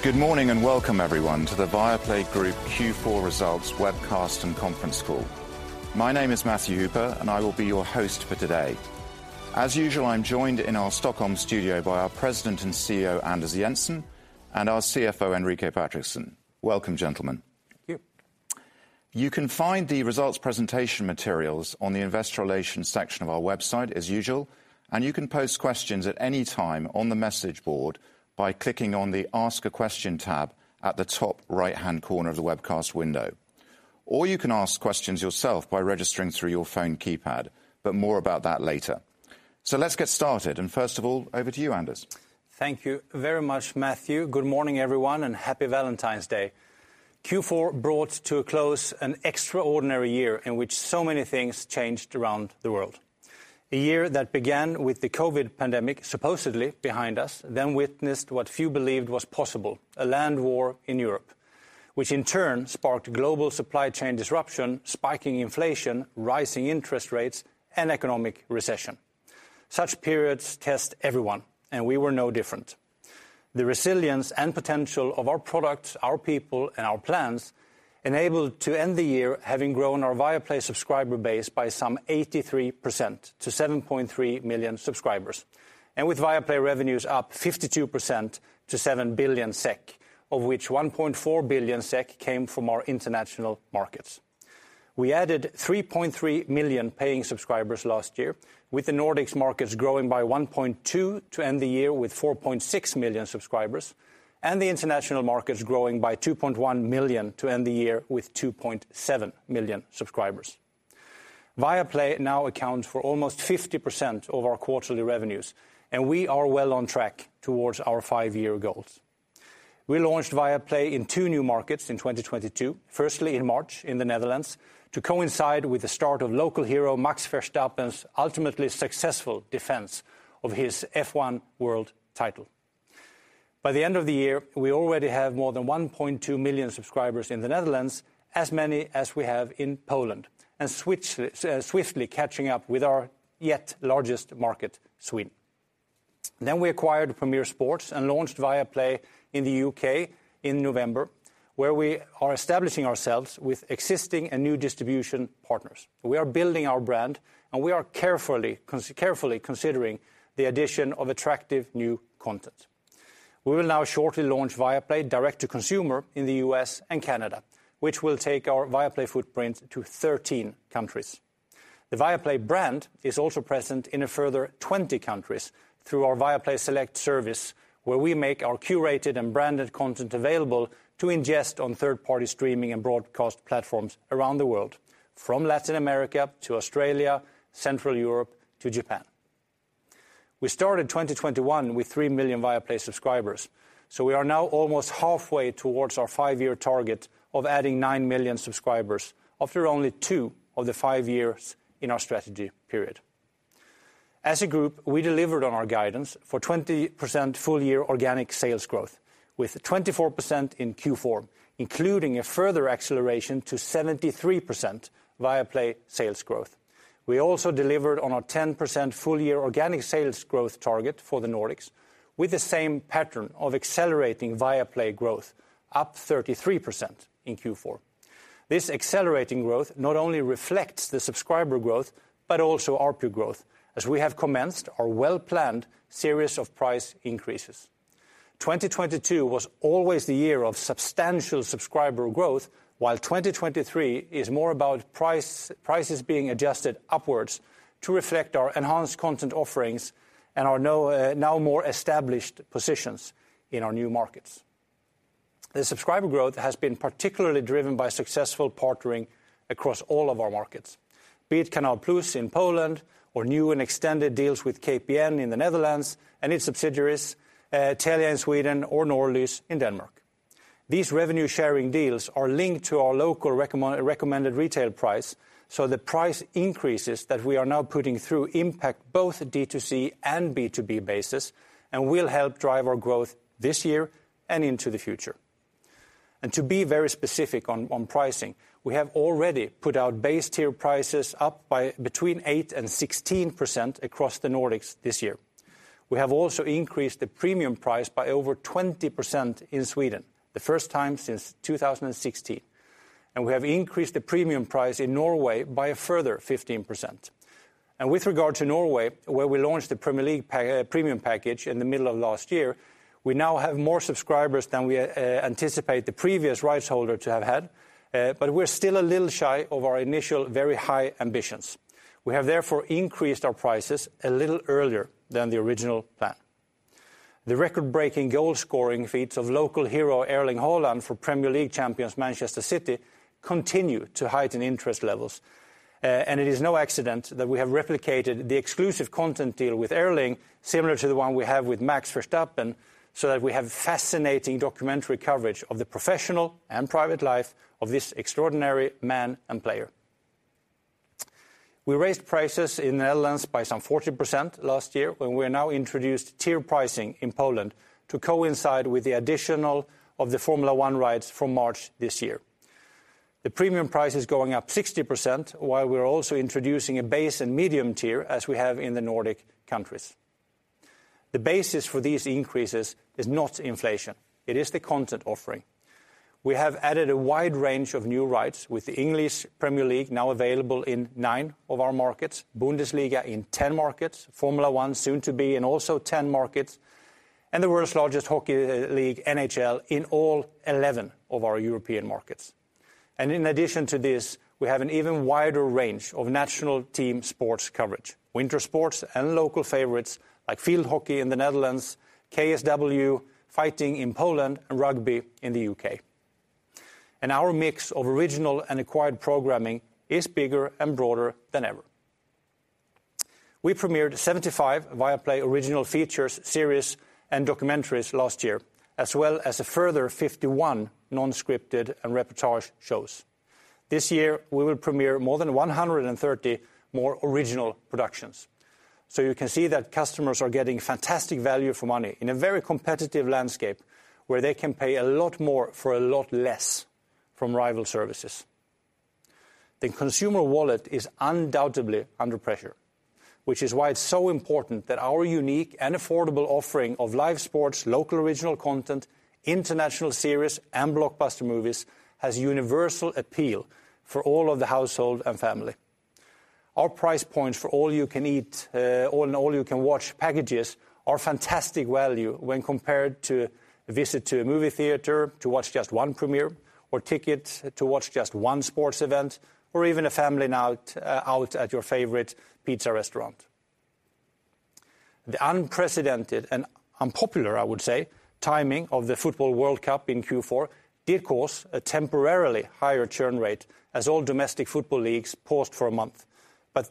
Good morning, welcome everyone to the Viaplay Group Q4 results Webcast and Conference Call. My name is Matthew Hooper, and I will be your host for today. As usual, I am joined in our Stockholm studio by our President and CEO, Anders Jensen, and our CFO, Enrique Patrickson. Welcome, gentlemen. Thank you. You can find the results presentation materials on the investor relations section of our website as usual. You can pose questions at any time on the message board by clicking on the Ask a Question tab at the top right-hand corner of the webcast window. You can ask questions yourself by registering through your phone keypad, but more about that later. Let's get started. First of all, over to you, Anders. Thank you very much, Matthew. Good morning, everyone, and happy Valentine's Day. Q4 brought to a close an extraordinary year in which so many things changed around the world. A year that began with the COVID pandemic supposedly behind us, then witnessed what few believed was possible, a land war in Europe, which in turn sparked global supply chain disruption, spiking inflation, rising interest rates, and economic recession. Such periods test everyone, and we were no different. The resilience and potential of our products, our people, and our plans enabled to end the year having grown our Viaplay subscriber base by some 83% to 7.3 million subscribers. With Viaplay revenues up 52% to 7 billion SEK, of which 1.4 billion SEK came from our international markets. We added 3.3 million paying subscribers last year, with the Nordics markets growing by 1.2 to end the year with 4.6 million subscribers, and the international markets growing by 2.1 million to end the year with 2.7 million subscribers. Viaplay now accounts for almost 50% of our quarterly revenues, and we are well on track towards our five-year goals. We launched Viaplay in two new markets in 2022, firstly in March in the Netherlands, to coincide with the start of local hero Max Verstappen's ultimately successful defense of his F1 world title. By the end of the year, we already have more than 1.2 million subscribers in the Netherlands, as many as we have in Poland, swiftly catching up with our yet largest market, Sweden. We acquired Premier Sports and launched Viaplay in the U.K. in November, where we are establishing ourselves with existing and new distribution partners. We are building our brand, and we are carefully considering the addition of attractive new content. We will now shortly launch Viaplay direct to consumer in the U.S. and Canada, which will take our Viaplay footprint to 13 countries. The Viaplay brand is also present in a further 20 countries through our Viaplay Select service, where we make our curated and branded content available to ingest on third-party streaming and broadcast platforms around the world, from Latin America to Australia, Central Europe to Japan. We started 2021 with 3 million Viaplay subscribers, we are now almost halfway towards our five-year target of adding 9 million subscribers after only two of the five years in our strategy period. As a group, we delivered on our guidance for 20% full-year organic sales growth, with 24% in Q4, including a further acceleration to 73% Viaplay sales growth. We also delivered on our 10% full-year organic sales growth target for the Nordics with the same pattern of accelerating Viaplay growth, up 33% in Q4. This accelerating growth not only reflects the subscriber growth, but also ARPU growth, as we have commenced our well-planned series of price increases. 2022 was always the year of substantial subscriber growth, while 2023 is more about price, prices being adjusted upwards to reflect our enhanced content offerings and our now more established positions in our new markets. The subscriber growth has been particularly driven by successful partnering across all of our markets. Be it Canal+ in Poland or new and extended deals with KPN in the Netherlands and its subsidiaries, Telia in Sweden or Norlys in Denmark. These revenue-sharing deals are linked to our local recommended retail price, so the price increases that we are now putting through impact both D2C and B2B basis and will help drive our growth this year and into the future. To be very specific on pricing, we have already put our base tier prices up by between 8% and 16% across the Nordics this year. We have also increased the premium price by over 20% in Sweden, the first time since 2016. We have increased the premium price in Norway by a further 15%. With regard to Norway, where we launched the Premier League pack, premium package in the middle of last year, we now have more subscribers than we anticipate the previous rights holder to have had, but we're still a little shy of our initial very high ambitions. We have therefore increased our prices a little earlier than the original plan. The record-breaking goal scoring feats of local hero Erling Haaland for Premier League champions Manchester City continue to heighten interest levels. It is no accident that we have replicated the exclusive content deal with Erling, similar to the one we have with Max Verstappen, so that we have fascinating documentary coverage of the professional and private life of this extraordinary man and player. We raised prices in the Netherlands by some 40% last year. We have now introduced tier pricing in Poland to coincide with the additional of the Formula 1 rights from March this year. The premium price is going up 60%, while we're also introducing a base and medium tier as we have in the Nordic countries. The basis for these increases is not inflation, it is the content offering. We have added a wide range of new rights with the Premier League now available in nine of our markets, Bundesliga in 10 markets, Formula 1 soon to be in also 10 markets, and the world's largest hockey league, NHL, in all 11 of our European markets. In addition to this, we have an even wider range of national team sports coverage, winter sports and local favorites like field hockey in the Netherlands, KSW fighting in Poland, and rugby in the U.K. Our mix of original and acquired programming is bigger and broader than ever. We premiered 75 Viaplay original features, series, and documentaries last year, as well as a further 51 non-scripted and repertoire shows. This year, we will premiere more than 130 more original productions. You can see that customers are getting fantastic value for money in a very competitive landscape where they can pay a lot more for a lot less from rival services. The consumer wallet is undoubtedly under pressure, which is why it's so important that our unique and affordable offering of live sports, local original content, international series and blockbuster movies has universal appeal for all of the household and family. Our price points for all you can eat, and all you can watch packages are fantastic value when compared to a visit to a movie theater to watch just one premiere, or ticket to watch just one sports event, or even a family night out at your favorite pizza restaurant. The unprecedented and unpopular, I would say, timing of the Football World Cup in Q4 did cause a temporarily higher churn rate as all domestic football leagues paused for a month.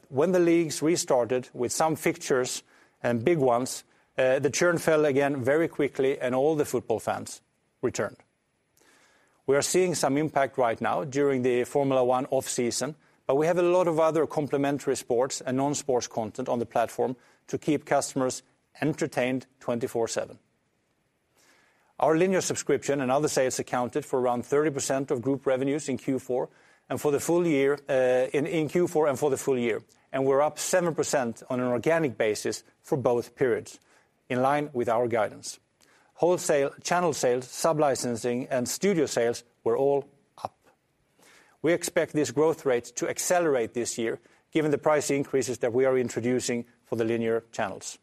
When the leagues restarted with some fixtures and big ones, the churn fell again very quickly and all the football fans returned. We are seeing some impact right now during the Formula 1 off-season, but we have a lot of other complementary sports and non-sports content on the platform to keep customers entertained 24/7. Our linear subscription and other sales accounted for around 30% of group revenues in Q4 and for the full year. We're up 7% on an organic basis for both periods, in line with our guidance. Wholesale, channel sales, sub-licensing, and studio sales were all up. We expect this growth rate to accelerate this year given the price increases that we are introducing for the linear channels.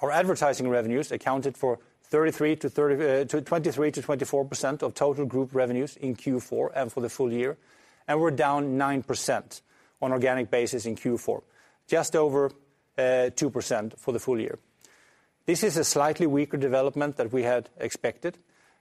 Our advertising revenues accounted for 23%-24% of total group revenues in Q4 and for the full year, and we're down 9% on organic basis in Q4. Just over 2% for the full year. This is a slightly weaker development that we had expected.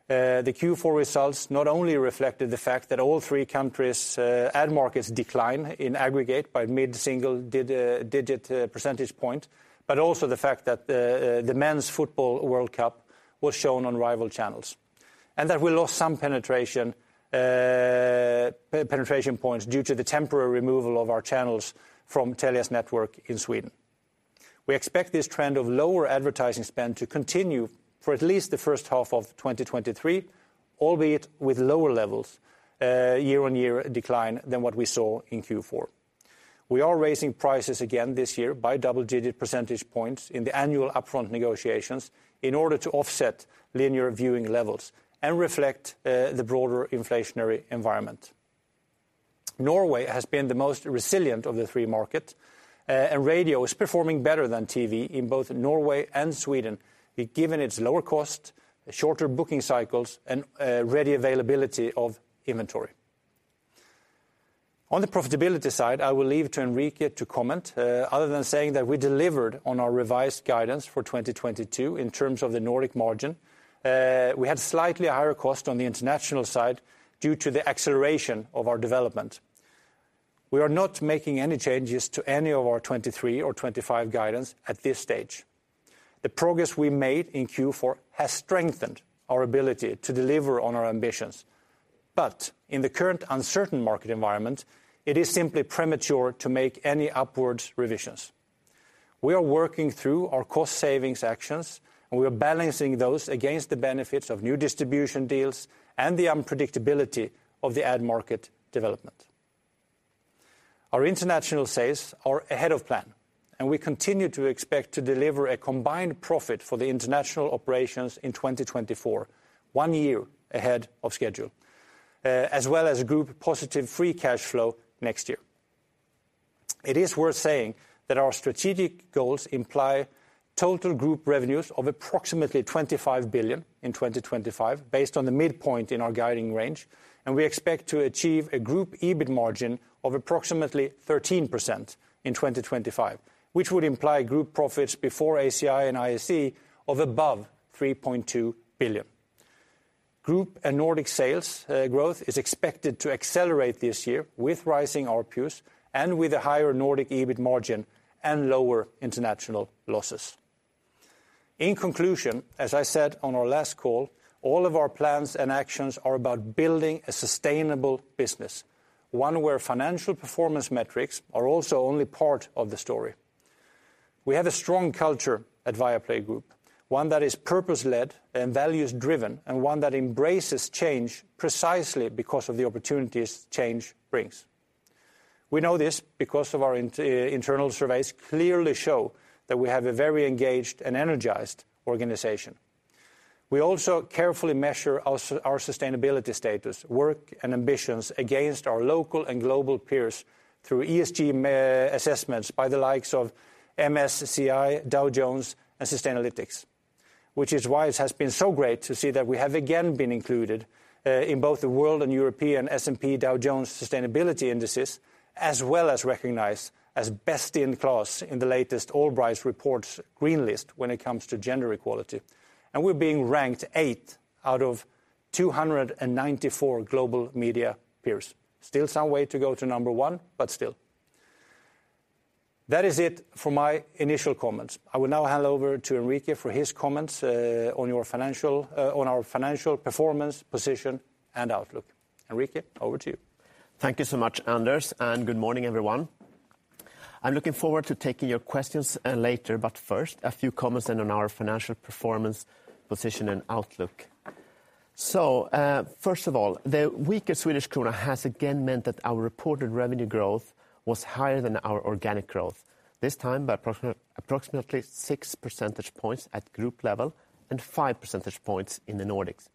The Q4 results not only reflected the fact that all three countries ad markets decline in aggregate by mid-single digit percentage point, but also the fact that the Men's Football World Cup was shown on rival channels, and that we lost some penetration points due to the temporary removal of our channels from Telia's network in Sweden. We expect this trend of lower advertising spend to continue for at least the first half of 2023, albeit with lower levels year-on-year decline than what we saw in Q4. We are raising prices again this year by double-digit percentage points in the annual upfront negotiations in order to offset linear viewing levels and reflect the broader inflationary environment. Norway has been the most resilient of the three markets, and radio is performing better than TV in both Norway and Sweden, given its lower cost, shorter booking cycles, and ready availability of inventory. On the profitability side, I will leave to Enrique to comment, other than saying that we delivered on our revised guidance for 2022 in terms of the Nordic margin. We had slightly higher cost on the international side due to the acceleration of our development. We are not making any changes to any of our 23 or 25 guidance at this stage. The progress we made in Q4 has strengthened our ability to deliver on our ambitions. In the current uncertain market environment, it is simply premature to make any upwards revisions. We are working through our cost savings actions. We are balancing those against the benefits of new distribution deals and the unpredictability of the ad market development. Our international sales are ahead of plan. We continue to expect to deliver a combined profit for the international operations in 2024, one year ahead of schedule, as well as Group positive free cash flow next year. It is worth saying that our strategic goals imply total Group revenues of approximately 25 billion in 2025, based on the midpoint in our guiding range. We expect to achieve a Group EBIT margin of approximately 13% in 2025, which would imply Group profits before ACI and ISE of above 3.2 billion. Group and Nordic sales growth is expected to accelerate this year with rising ARPUs and with a higher Nordic EBIT margin and lower international losses. In conclusion, as I said on our last call, all of our plans and actions are about building a sustainable business, one where financial performance metrics are also only part of the story. We have a strong culture at Viaplay Group, one that is purpose-led and values-driven, and one that embraces change precisely because of the opportunities change brings. We know this because of our internal surveys clearly show that we have a very engaged and energized organization. We also carefully measure our sustainability status, work, and ambitions against our local and global peers through ESG assessments by the likes of MSCI, Dow Jones, and Sustainalytics. Which is why it has been so great to see that we have again been included in both the world and European S&P Dow Jones Sustainability Indices, as well as recognized as best in class in the latest Allbright's Green List when it comes to gender equality. We're being ranked eighth out of 294 global media peers. Still some way to go to number one. That is it for my initial comments. I will now hand over to Enrique for his comments on our financial performance, position, and outlook. Enrique, over to you. Thank you so much, Anders, and good morning, everyone. I'm looking forward to taking your questions later, but first, a few comments then on our financial performance, position, and outlook. First of all, the weaker Swedish krona has again meant that our reported revenue growth was higher than our organic growth, this time by approximately six percentage points at group level and five percentage points in the Nordics.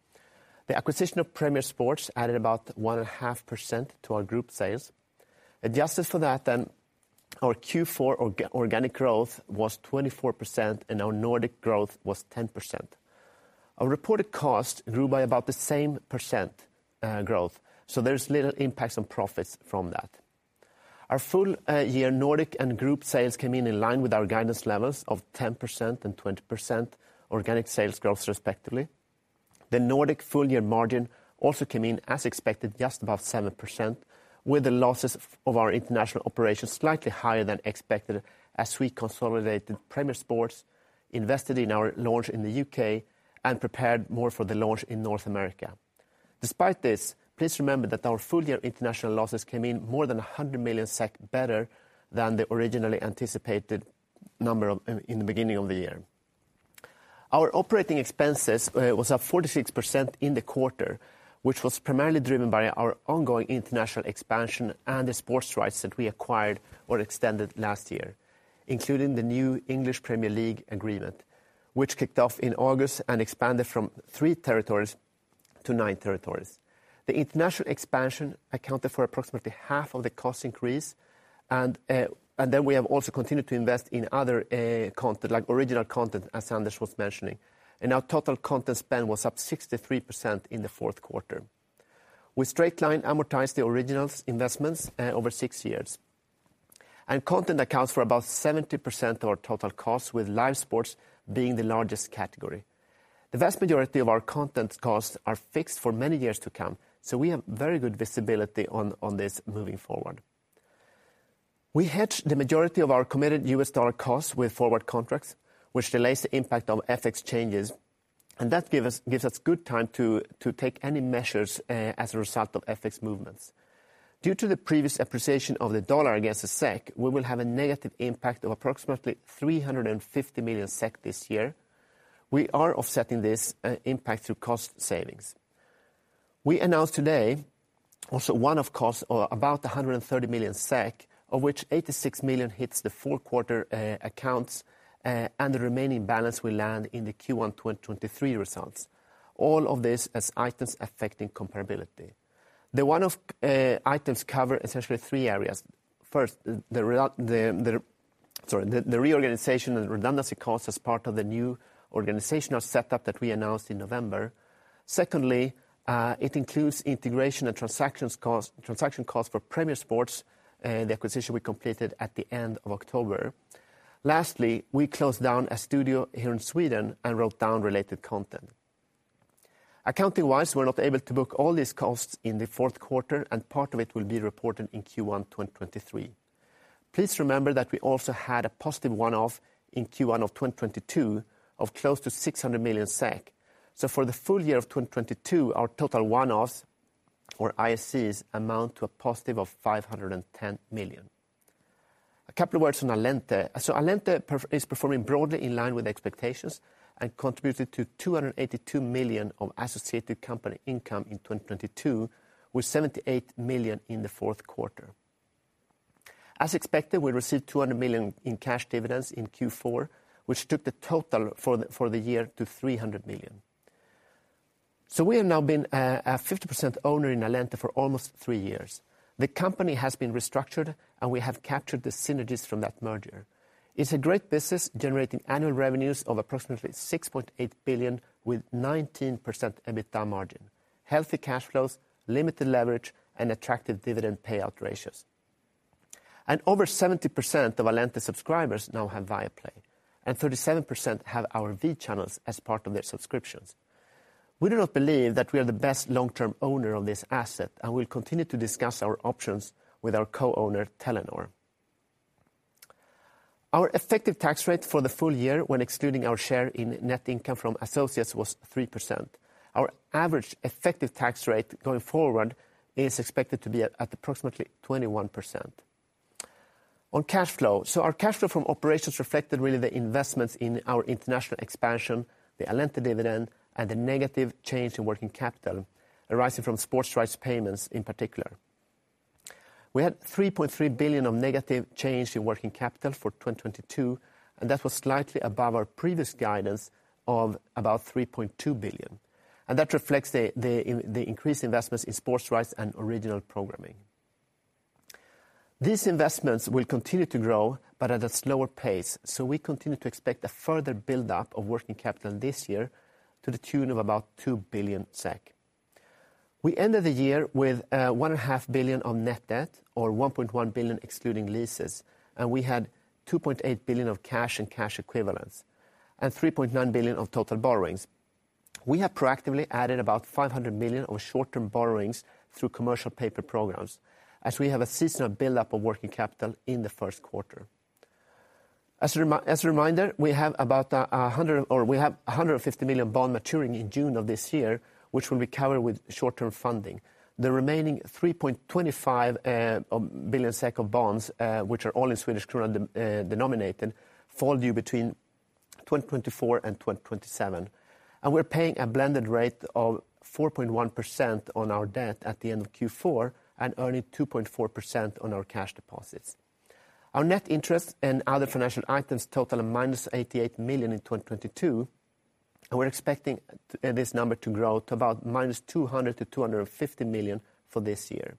The acquisition of Premier Sports added about one and a half % to our group sales. Adjusted for that then, our Q4 organic growth was 24%, and our Nordic growth was 10%. Our reported cost grew by about the same % growth, so there's little impact on profits from that. Our full year Nordic and group sales came in in line with our guidance levels of 10% and 20% organic sales growth respectively. The Nordic full-year margin also came in as expected, just above 7%, with the losses of our international operations slightly higher than expected as we consolidated Premier Sports, invested in our launch in the U.K., and prepared more for the launch in North America. Despite this, please remember that our full-year international losses came in more than 100 million SEK better than the originally anticipated number in the beginning of the year. Our operating expenses was up 46% in the quarter, which was primarily driven by our ongoing international expansion and the sports rights that we acquired or extended last year, including the new English Premier League agreement, which kicked off in August and expanded from three territories to nine territories. The international expansion accounted for approximately half of the cost increase, then we have also continued to invest in other content, like original content, as Anders was mentioning. Our total content spend was up 63% in the fourth quarter. We straight-line amortize the originals investments over six years. Content accounts for about 70% of our total costs, with live sports being the largest category. The vast majority of our content costs are fixed for many years to come, we have very good visibility on this moving forward. We hedge the majority of our committed U.S. dollar costs with forward contracts, which delays the impact of FX changes, that gives us good time to take any measures as a result of FX movements. Due to the previous appreciation of the dollar against the SEK, we will have a negative impact of approximately 350 million SEK this year. We are offsetting this impact through cost savings. We announced today also one of costs, or about 130 million SEK, of which 86 million hits the fourth quarter accounts, and the remaining balance will land in the Q1 2023 results. All of this as Items Affecting Comparability. The one of items cover essentially three areas. First, the reorganization and redundancy costs as part of the new organizational setup that we announced in November. Secondly, it includes integration and transaction costs for Premier Sports, the acquisition we completed at the end of October. Lastly, we closed down a studio here in Sweden and wrote down related content. Accounting-wise, we're not able to book all these costs in the fourth quarter, and part of it will be reported in Q1 2023. Please remember that we also had a positive one-off in Q1 of 2022 of close to 600 million SEK. For the full year of 2022, our total one-offs or IACs amount to a positive of 510 million SEK. A couple of words on Allente. Allente is performing broadly in line with expectations and contributed to 282 million SEK of Associated Company Income in 2022, with 78 million SEK in the fourth quarter. As expected, we received 200 million SEK in cash dividends in Q4, which took the total for the year to 300 million SEK. We have now been a 50% owner in Allente for almost 3 years. The company has been restructured, and we have captured the synergies from that merger. It's a great business generating annual revenues of approximately 6.8 billion with 19% EBITDA margin, healthy cash flows, limited leverage, and attractive dividend payout ratios. Over 70% of Allente subscribers now have Viaplay, and 37% have our V channels as part of their subscriptions. We do not believe that we are the best long-term owner of this asset, and we'll continue to discuss our options with our co-owner, Telenor. Our effective tax rate for the full year when excluding our share in net income from associates was 3%. Our average effective tax rate going forward is expected to be at approximately 21%. On cash flow. Our cash flow from operations reflected really the investments in our international expansion, the Allente dividend, and the negative change in working capital arising from sports rights payments in particular. We had 3.3 billion of negative change in working capital for 2022, and that was slightly above our previous guidance of about 3.2 billion. That reflects the increased investments in sports rights and original programming. These investments will continue to grow, but at a slower pace, we continue to expect a further buildup of working capital this year to the tune of about 2 billion SEK. We ended the year with 1.5 billion of net debt, or 1.1 billion excluding leases, and we had 2.8 billion of cash and cash equivalents, and 3.9 billion of total borrowings. We have proactively added about 500 million of short-term borrowings through commercial paper programs, as we have a seasonal buildup of working capital in the first quarter. As a reminder, we have about a 150 million bond maturing in June of this year, which will be covered with short-term funding. The remaining 3.25 billion SEK of bonds, which are all in Swedish krona denominated, fall due between 2024 and 2027. We're paying a blended rate of 4.1% on our debt at the end of Q4, and earning 2.4% on our cash deposits. Our net interest and other financial items total a minus 88 million in 2022. We're expecting this number to grow to about minus 200 million-250 million for this year.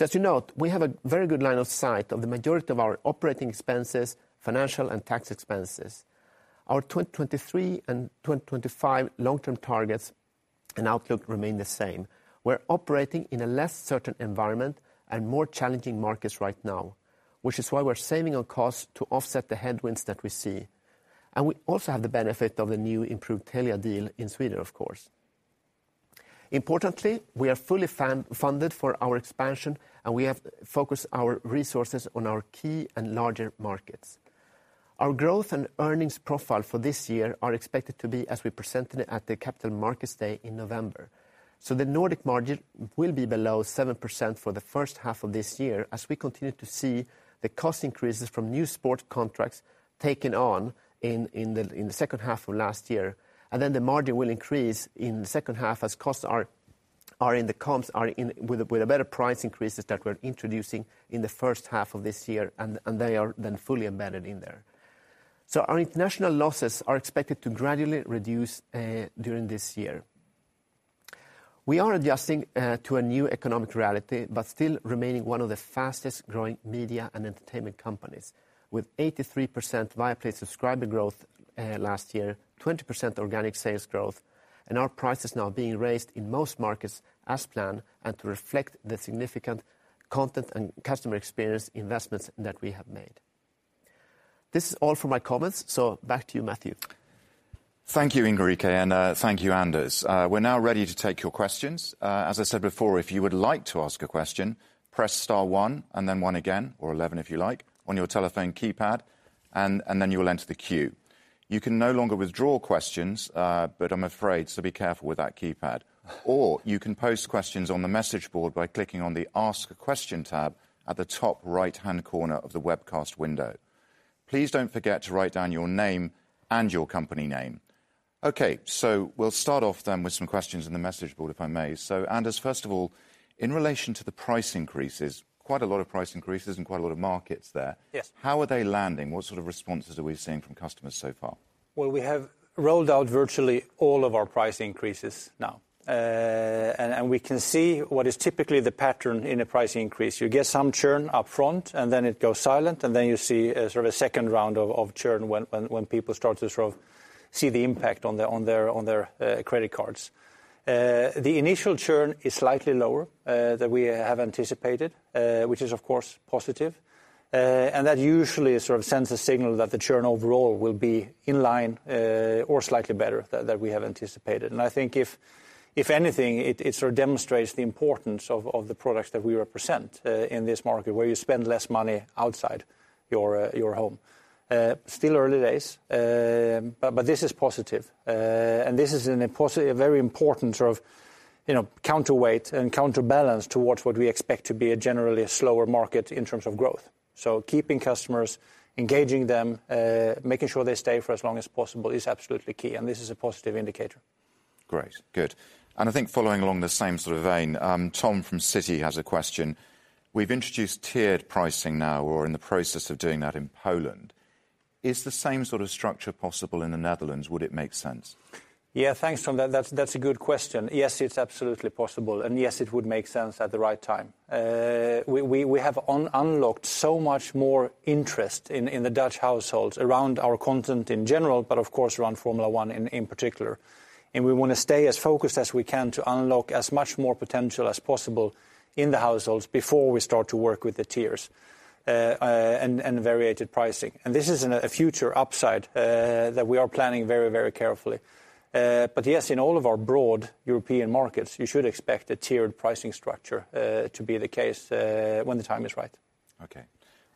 As you note, we have a very good line of sight of the majority of our operating expenses, financial and tax expenses. Our 2023 and 2025 long-term targets and outlook remain the same. We're operating in a less certain environment and more challenging markets right now, which is why we're saving on costs to offset the headwinds that we see. We also have the benefit of the new improved Telia deal in Sweden, of course. Importantly, we are fully funded for our expansion. We have focused our resources on our key and larger markets. Our growth and earnings profile for this year are expected to be as we presented it at the Capital Markets Day in November. The Nordic margin will be below 7% for the first half of this year, as we continue to see the cost increases from new sport contracts taken on in the second half of last year. The margin will increase in the second half as costs are in the comps with a better price increases that we're introducing in the first half of this year and they are then fully embedded in there. Our international losses are expected to gradually reduce during this year. We are adjusting to a new economic reality, still remaining one of the fastest growing media and entertainment companies, with 83% Viaplay subscriber growth last year, 20% organic sales growth, and our prices now being raised in most markets as planned and to reflect the significant content and customer experience investments that we have made. This is all for my comments. Back to you, Matthew. Thank you, Enrique, and thank you, Anders. We're now ready to take your questions. As I said before, if you would like to ask a question, press star one and then one again, or one one if you like, on your telephone keypad and then you will enter the queue. You can no longer withdraw questions, but I'm afraid, so be careful with that keypad. You can post questions on the message board by clicking on the Ask a Question tab at the top right-hand corner of the webcast window. Please don't forget to write down your name and your company name. Okay. We'll start off then with some questions in the message board, if I may. Anders, first of all, in relation to the price increases, quite a lot of price increases in quite a lot of markets there. Yes. How are they landing? What sort of responses are we seeing from customers so far? Well, we have rolled out virtually all of our price increases now. We can see what is typically the pattern in a price increase. You get some churn up front, and then it goes silent, and then you see a sort of second round of churn when people start to sort of see the impact on their credit cards. The initial churn is slightly lower than we have anticipated, which is of course positive. That usually sort of sends a signal that the churn overall will be in line or slightly better than we have anticipated. I think if anything, it sort of demonstrates the importance of the products that we represent in this market where you spend less money outside your home. Still early days, but this is positive. This is a very important sort of, you know, counterweight and counterbalance towards what we expect to be a generally slower market in terms of growth. Keeping customers, engaging them, making sure they stay for as long as possible is absolutely key, and this is a positive indicator. Great. Good. I think following along the same sort of vein, Tom from Citi has a question. We've introduced tiered pricing now or in the process of doing that in Poland. Is the same sort of structure possible in the Netherlands? Would it make sense? Yeah. Thanks, Tom. That's a good question. Yes, it's absolutely possible, and yes, it would make sense at the right time. We have unlocked so much more interest in the Dutch households around our content in general, but of course around Formula 1 in particular. We wanna stay as focused as we can to unlock as much more potential as possible in the households before we start to work with the tiers and variated pricing. This is in a future upside that we are planning very, very carefully. But yes, in all of our broad European markets, you should expect a tiered pricing structure to be the case when the time is right. Okay.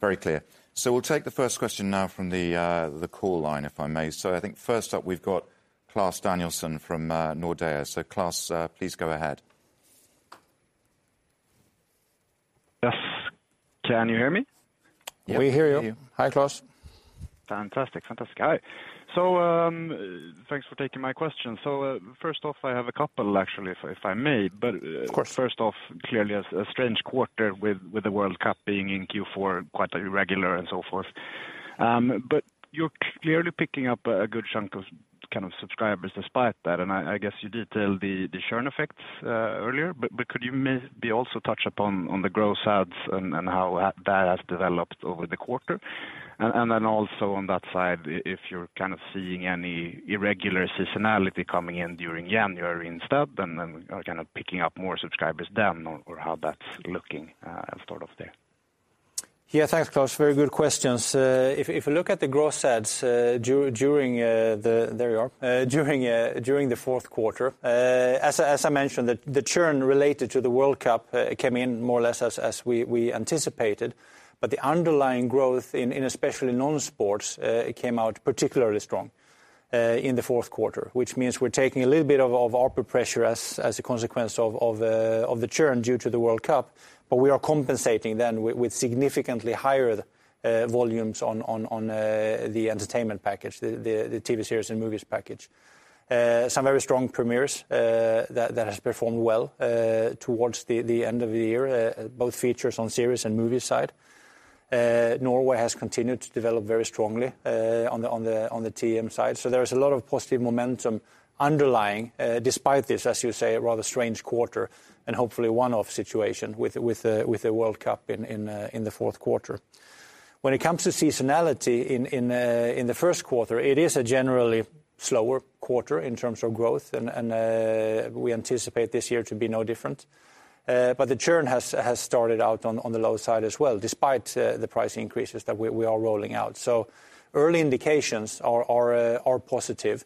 Very clear. We'll take the first question now from the call line, if I may. I think first up we've got Klas Danielsson from Nordea. Klas, please go ahead. Yes. Can you hear me? We hear you. Hi, Klas. Fantastic. Hi. Thanks for taking my question. First off, I have a couple actually, if I may. Of course. First off, clearly a strange quarter with the World Cup being in Q4, quite irregular, and so forth. But you're clearly picking up a good chunk of kind of subscribers despite that. I guess you detailed the churn effects earlier, but could you maybe also touch on the growth sides and how that has developed over the quarter? Then also on that side, if you're kind of seeing any irregular seasonality coming in during January instead, and are kind of picking up more subscribers then or how that's looking sort of there? Yeah, thanks, Klas. Very good questions. if you look at the growth sides, during the fourth quarter, as I mentioned, the churn related to the World Cup came in more or less as we anticipated. The underlying growth in especially non-sports came out particularly strong in the fourth quarter, which means we're taking a little bit of ARPU pressure as a consequence of the churn due to the World Cup, but we are compensating then with significantly higher volumes on the entertainment package, the TV series and movies package. Some very strong premieres that has performed well towards the end of the year, both features on series and movie side. Norway has continued to develop very strongly on the TM side. There is a lot of positive momentum underlying despite this, as you say, a rather strange quarter and hopefully one-off situation with the World Cup in the fourth quarter. When it comes to seasonality in the first quarter, it is a generally slower quarter in terms of growth and we anticipate this year to be no different. The churn has started out on the low side as well, despite the price increases that we are rolling out. Early indications are positive.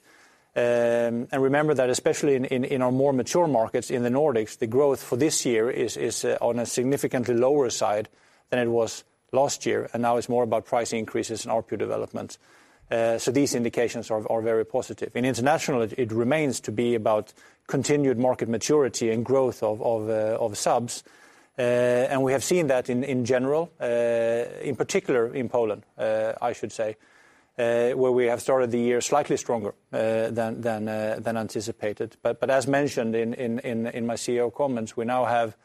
Remember that especially in our more mature markets in the Nordics, the growth for this year is on a significantly lower side than it was last year, and now it's more about price increases and ARPU development. These indications are very positive. In international, it remains to be about continued market maturity and growth of subs. We have seen that in general, in particular in Poland, I should say, where we have started the year slightly stronger than anticipated. As mentioned in my CEO comments, we now have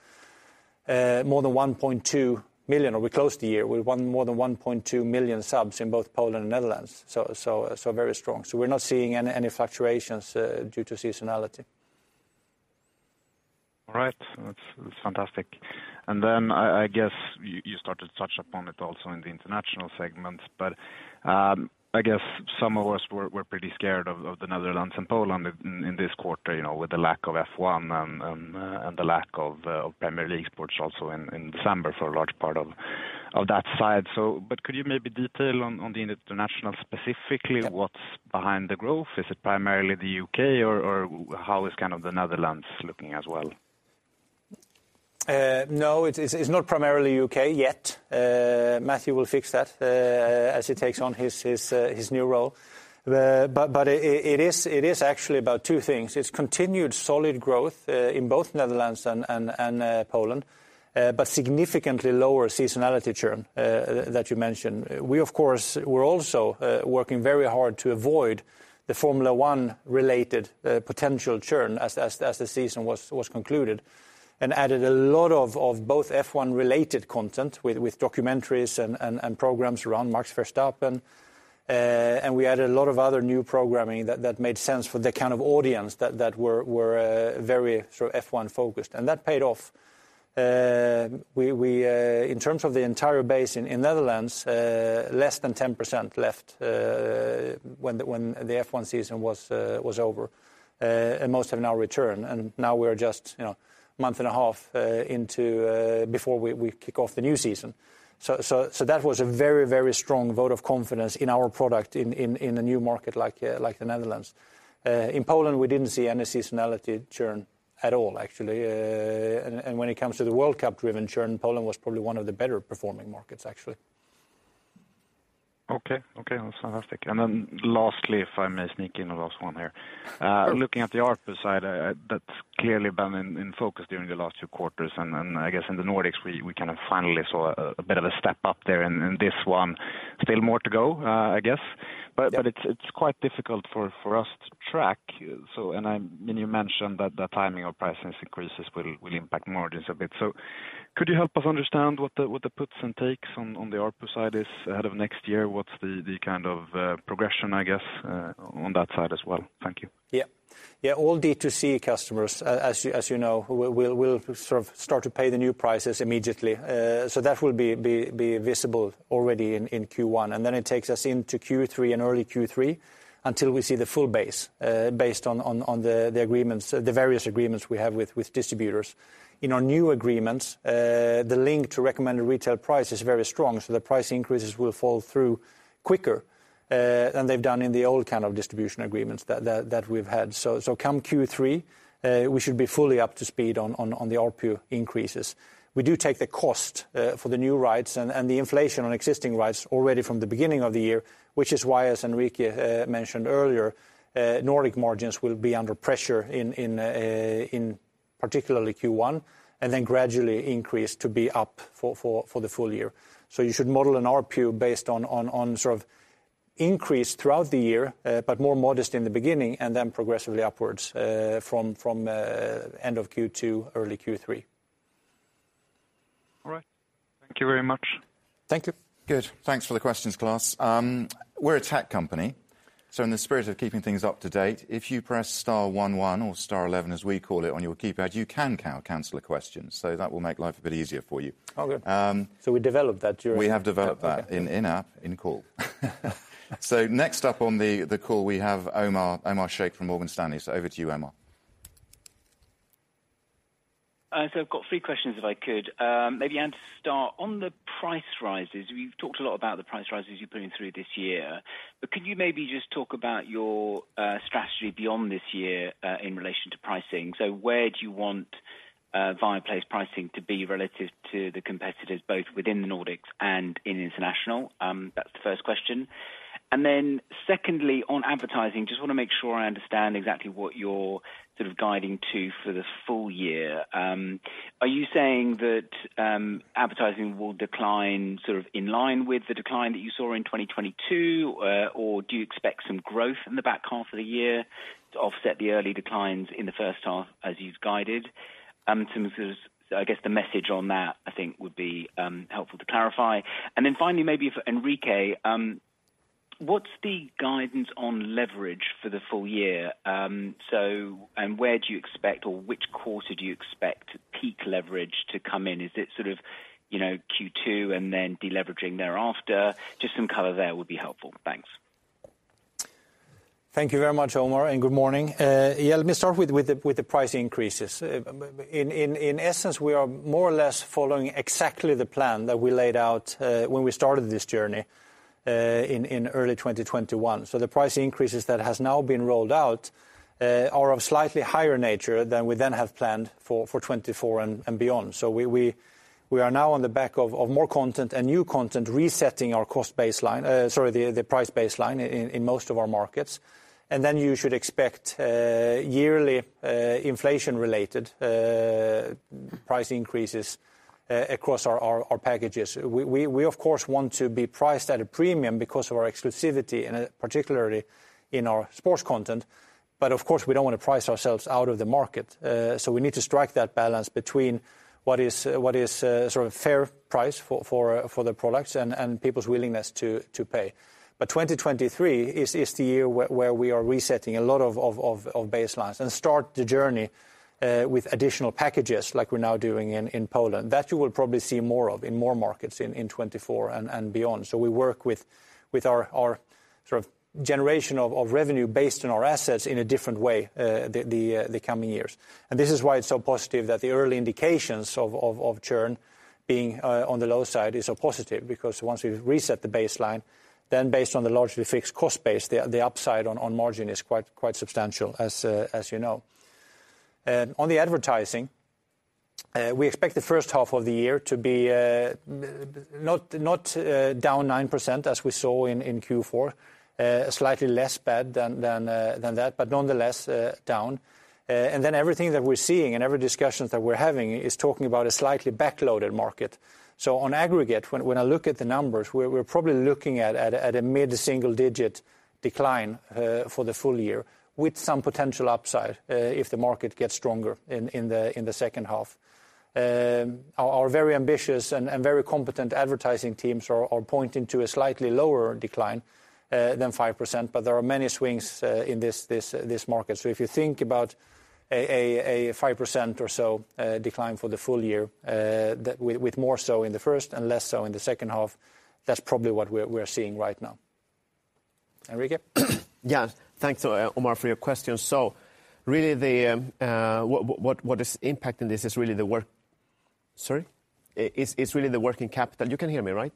more than 1.2 million, or we closed the year with more than 1.2 million subs in both Poland and Netherlands. Very strong. We're not seeing any fluctuations due to seasonality. All right. That's fantastic. I guess you started to touch upon it also in the international segment, but I guess some of us were pretty scared of the Netherlands and Poland in this quarter, you know, with the lack of F1 and the lack of Premier League sports also in December for a large part of that side. Could you maybe detail on the international specifically what's behind the growth? Is it primarily the U.K. or how is kind of the Netherlands looking as well? No, it's not primarily U.K. yet. Matthew will fix that as he takes on his new role. It is actually about two things. It's continued solid growth in both Netherlands and Poland, but significantly lower seasonality churn that you mentioned. We, of course, we're also working very hard to avoid the Formula 1 related potential churn as the season was concluded and added a lot of both F1 related content with documentaries and programs around Max Verstappen. We added a lot of other new programming that made sense for the kind of audience that were very sort of F1 focused, and that paid off. e entire base in Netherlands, less than 10% left when the F1 season was over. Most have now returned. Now we're just, you know, a month and a half into before we kick off the new season. That was a very, very strong vote of confidence in our product in a new market like the Netherlands. In Poland, we didn't see any seasonality churn at all, actually. When it comes to the World Cup driven churn, Poland was probably one of the better performing markets, actually Okay. Okay. That's fantastic. Lastly, if I may sneak in a last one here. Sure. Looking at the ARPU side, that's clearly been in focus during the last two quarters. I guess in the Nordics, we kind of finally saw a bit of a step up there in this one. Still more to go, I guess. Yeah. It's quite difficult for us to track. When you mentioned that the timing of price increases will impact margins a bit. Could you help us understand what the puts and takes on the ARPU side is ahead of next year? What's the kind of progression, I guess, on that side as well? Thank you. Yeah. Yeah, all D2C customers, as you know, will sort of start to pay the new prices immediately. That will be visible already in Q1. Then it takes us into Q3 and early Q3 until we see the full base, based on the agreements, the various agreements we have with distributors. In our new agreements, the link to recommended retail price is very strong, so the price increases will fall through quicker than they've done in the old kind of distribution agreements that we've had. Come Q3, we should be fully up to speed on the ARPU increases. We do take the cost for the new rights and the inflation on existing rights already from the beginning of the year, which is why, as Enrique mentioned earlier, Nordic margins will be under pressure in Particularly Q1, and then gradually increase to be up for the full year. You should model an ARPU based on sort of increase throughout the year, but more modest in the beginning and then progressively upwards from end of Q2, early Q3. All right. Thank you very much. Thank you. Good. Thanks for the questions, Klas. We're a tech company, so in the spirit of keeping things up to date, if you press star one one or star eleven as we call it on your keypad, you can cancel a question, so that will make life a bit easier for you. Oh, good. Um- we developed that during-. We have developed that in app, in call. Next up on the call we have Omar Sheikh from Morgan Stanley. Over to you, Omar. I've got three questions if I could. Maybe, Anders, to start. On the price rises, we've talked a lot about the price rises you're putting through this year. Could you maybe just talk about your strategy beyond this year in relation to pricing? Where do you want Viaplay's pricing to be relative to the competitors, both within the Nordics and in international? That's the first question. Secondly, on advertising, just wanna make sure I understand exactly what you're sort of guiding to for the full year. Are you saying that advertising will decline sort of in line with the decline that you saw in 2022, or do you expect some growth in the back half of the year to offset the early declines in the first half as you've guided? I guess the message on that I think would be helpful to clarify. Finally, maybe for Enrique, what's the guidance on leverage for the full year? Where do you expect or which quarter do you expect peak leverage to come in? Is it sort of, you know, Q2 and then deleveraging thereafter? Just some color there would be helpful. Thanks. Thank you very much, Omar, and good morning. Yeah, let me start with the price increases. In essence, we are more or less following exactly the plan that we laid out when we started this journey in early 2021. The price increases that has now been rolled out are of slightly higher nature than we then have planned for 2024 and beyond. We are now on the back of more content and new content resetting our cost baseline, sorry, the price baseline in most of our markets. You should expect yearly inflation-related price increases across our packages. We of course want to be priced at a premium because of our exclusivity and particularly in our sports content, but of course we don't wanna price ourselves out of the market. We need to strike that balance between what is sort of fair price for the products and people's willingness to pay. 2023 is the year where we are resetting a lot of baselines and start the journey with additional packages like we're now doing in Poland. You will probably see more of in more markets in 2024 and beyond. We work with our sort of generation of revenue based on our assets in a different way the coming years. This is why it's so positive that the early indications of churn being on the low side is so positive, because once we've reset the baseline, then based on the largely fixed cost base, the upside on margin is quite substantial, as you know. On the advertising, we expect the first half of the year to be not down 9% as we saw in Q4, slightly less bad than that, but nonetheless, down. Everything that we're seeing and every discussions that we're having is talking about a slightly backloaded market. On aggregate, when I look at the numbers, we're probably looking at a mid-single-digit decline for the full year, with some potential upside if the market gets stronger in the second half. Our very ambitious and very competent advertising teams are pointing to a slightly lower decline than 5%, but there are many swings in this market. If you think about a 5% or so decline for the full year, with more so in the first and less so in the second half, that's probably what we're seeing right now. Enrique? Yeah. Thanks, Omar, for your questions. It's really the working capital. You can hear me, right?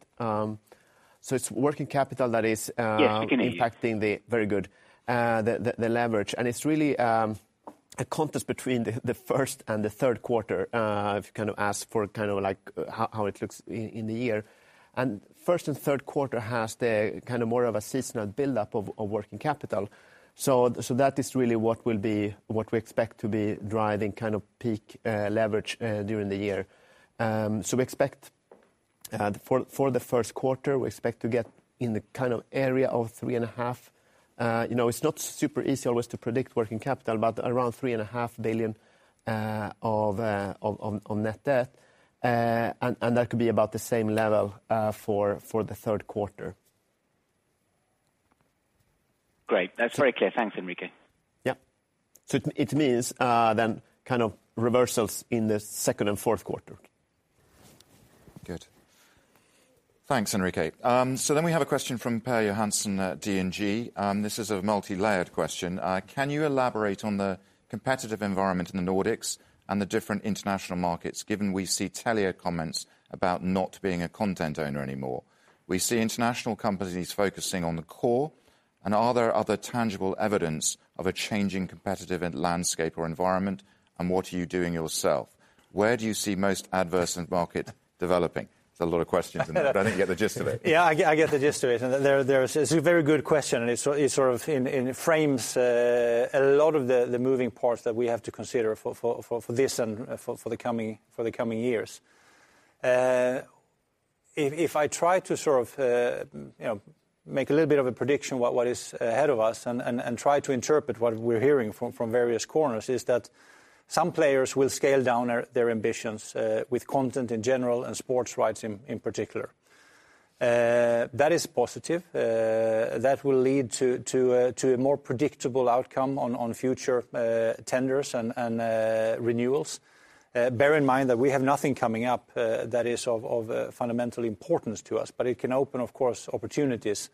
It's working capital. Yes, we can hear you. impacting the. Very good. The leverage. It's really a contest between the first and the third quarter. If you kind of ask for kind of like how it looks in the year. First and third quarter has the kind of more of a seasonal buildup of working capital. That is really what will be what we expect to be driving kind of peak leverage during the year. We expect for the first quarter, we expect to get in the kind of area of three and a half. You know, it's not super easy always to predict working capital, but around three and a half billion SEK of net debt. That could be about the same level for the third quarter. Great. That's very clear. Thanks, Enrique. Yeah. It, it means, then kind of reversals in the second and fourth quarter. Good. Thanks, Enrique. We have a question from Pär Johansson at DNB. This is a multilayered question. Can you elaborate on the competitive environment in the Nordics and the different international markets, given we see Telia comments about not being a content owner anymore? We see international companies focusing on the core, and are there other tangible evidence of a changing competitive landscape or environment, and what are you doing yourself? Where do you see most adverse market developing? It's a lot of questions in that, I think you get the gist of it. Yeah, I get the gist of it. There, it's a very good question, and it sort of frames a lot of the moving parts that we have to consider for this and for the coming years. If I try to sort of, you know, make a little bit of a prediction what is ahead of us and try to interpret what we're hearing from various corners is that some players will scale down their ambitions with content in general and sports rights in particular. That is positive. That will lead to a more predictable outcome on future tenders and renewals. Bear in mind that we have nothing coming up that is of fundamental importance to us, but it can open, of course, opportunities